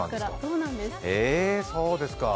そうですか。